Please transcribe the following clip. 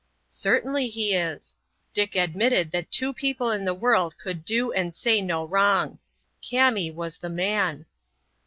"Certainly he is." Dick admitted that two people in the world could do and say no wrong. Kami was the man.